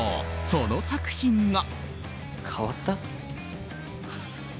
その作品が。